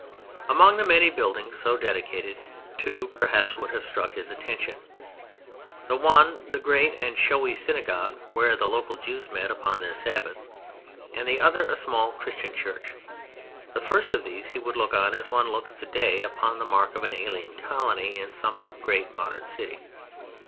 Among the many buildings so dedicated, two perhaps would have struck his attention: the one the great and showy synagogue where the local Jews met upon their Sabbath, the other a small Christian Church. The first of these he would look on as one looks today upon the mark of an alien colony in some great modern city.